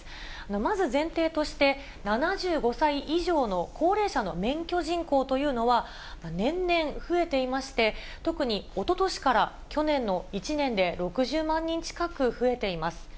まず前提として、７５歳以上の高齢者の免許人口というのは年々増えていまして、特におととしから去年の１年で、６０万人近く増えています。